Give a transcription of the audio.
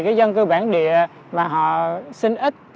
cái dân cư bản địa mà họ sinh ít